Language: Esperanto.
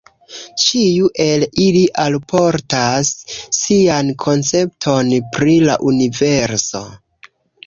Ĉiu el ili alportas sian koncepton pri la universo.